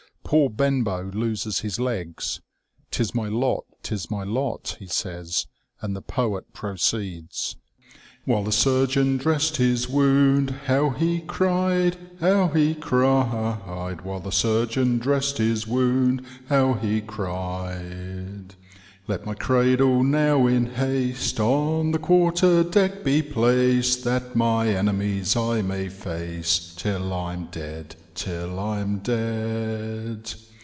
Poor Benbow loses his legs. 'Tis my lot, 'tis my lot !" he says, and the poet proceeds :—*' While the surgeon dressM his wound, How he cried, how he cried ; W^hile the surgeon dress'd his wound, How he cried. THE OLD NAVAL SEA^SONG. 237 ' Let my cradle now in haste On the qnarter deck be placM, That my enemies I may face Till rm dead, till I'm dead.'